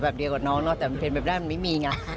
แต่เป็นแบบนั้นมันเป็นแบบนี้มีไง